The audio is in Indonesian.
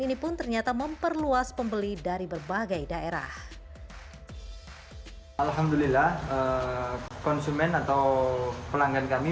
ini pun ternyata memperluas pembeli dari berbagai daerah alhamdulillah konsumen atau pelanggan kami